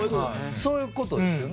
そういうことですよね。